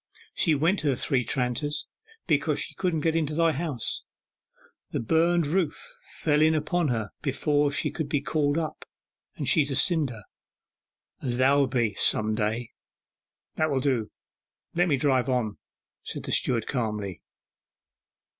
'She went to the Three Tranters, because she couldn't get into thy house, the burnen roof fell in upon her before she could be called up, and she's a cinder, as thou'lt be some day.' 'That will do, let me drive on,' said the steward calmly.